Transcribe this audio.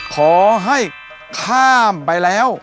ขอให้ข้ามไปแล้ว